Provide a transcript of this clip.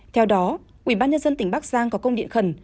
theo đó ủy ban nhân dân tỉnh bắc giang có công điện khẩn